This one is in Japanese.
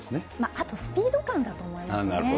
あとスピード感だと思いますね。